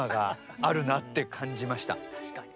確かに。